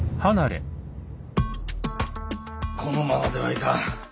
このままではいかん。